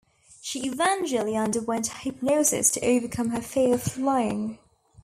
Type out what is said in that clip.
She eventually underwent hypnosis to overcome her fear of flying.